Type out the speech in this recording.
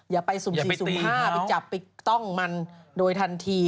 อย่าไปสุ่ม๔สุ่ม๕ไปจับไปกล้องมันโดยทันที